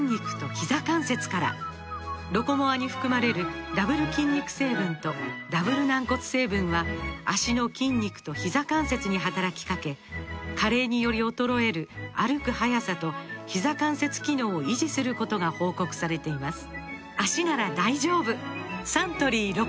「ロコモア」に含まれるダブル筋肉成分とダブル軟骨成分は脚の筋肉とひざ関節に働きかけ加齢により衰える歩く速さとひざ関節機能を維持することが報告されています